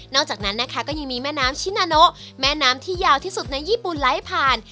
อกจากนั้นนะคะก็ยังมีแม่น้ำชินาโนแม่น้ำที่ยาวที่สุดในญี่ปุ่นไหลผ่าน